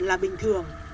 là bình thường